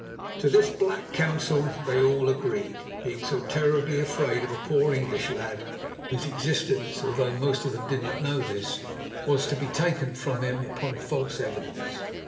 To this black counsel they all agreed, being so terribly afraid of a poor English lad whose existence, although most of them did not know this, was to be taken from him upon false evidence.